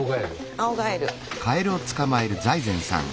アオガエル。